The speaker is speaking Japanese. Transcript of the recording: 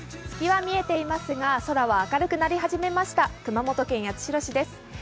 月は見えていますが空は明るくなり始めました熊本県八代市です。